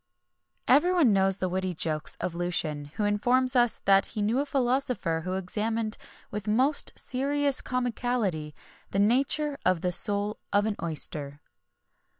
[XXI 9] Everyone knows the witty jokes of Lucian, who informs us that he knew a philosopher who examined, with the most serious comicality, the nature of the soul of an oyster.